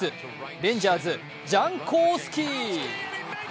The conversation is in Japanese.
レンジャーズジャンコウスキー！